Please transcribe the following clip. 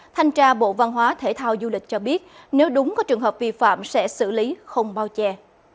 thanh tra bộ văn hóa thể thao du lịch cho biết nếu đúng có trường hợp vi phạm sẽ xử lý không bao che